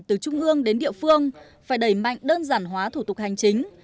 từ trung ương đến địa phương phải đẩy mạnh đơn giản hóa thủ tục hành chính